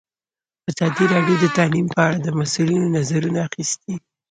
ازادي راډیو د تعلیم په اړه د مسؤلینو نظرونه اخیستي.